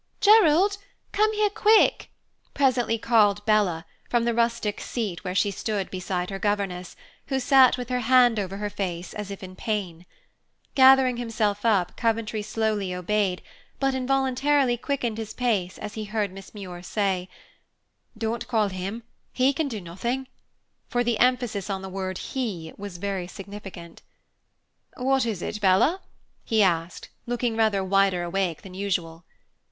"Gerald, come here, quick!" presently called Bella, from the rustic seat where she stood beside her governess, who sat with her hand over her face as if in pain. Gathering himself up, Coventry slowly obeyed, but involuntarily quickened his pace as he heard Miss Muir say, "Don't call him; he can do nothing"; for the emphasis on the word "he" was very significant. "What is it, Bella?" he asked, looking rather wider awake than usual.